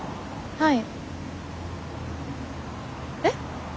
はい。